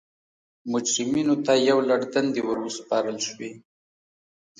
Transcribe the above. مجرمینو ته یو لړ دندې ور وسپارل شوې.